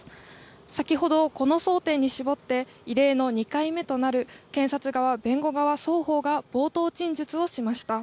先ほど、この争点に絞って異例の２回目となる検察側、弁護側双方が冒頭陳述をしました。